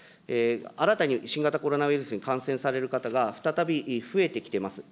新たに新型コロナウイルスに感染される方が再び増えてきています。